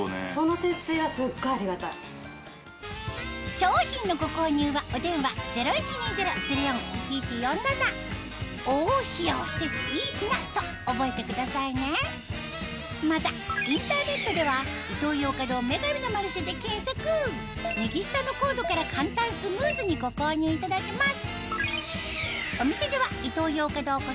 商品のご購入はお電話０１２０−０４−１１４７と覚えてくださいねまたインターネットでは右下のコードから簡単スムーズにご購入いただけます